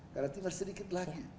karena tinggal sedikit lagi